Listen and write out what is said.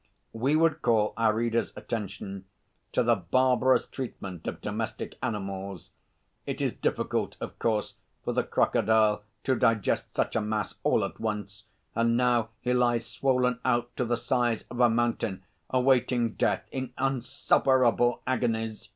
We would call our readers' attention to the barbarous treatment of domestic animals: it is difficult, of course, for the crocodile to digest such a mass all at once, and now he lies swollen out to the size of a mountain, awaiting death in insufferable agonies.